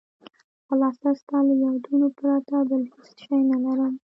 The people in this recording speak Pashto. خلاصه ستا له یادونو پرته بل هېڅ شی نه لرم.